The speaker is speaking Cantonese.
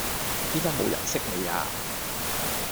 而家冇人識你呀